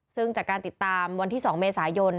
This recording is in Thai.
ซึ่งจากการติดตามวันที่๒เมษายน